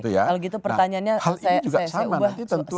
hal gitu pertanyaannya saya ubah